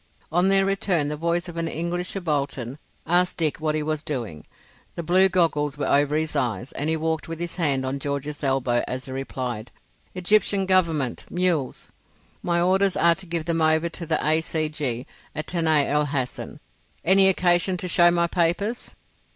On their return the voice of an English subaltern asked Dick what he was doing. The blue goggles were over his eyes and he walked with his hand on George's elbow as he replied—"Egyptian Government—mules. My orders are to give them over to the A. C. G. at Tanai el Hassan. Any occasion to show my papers?"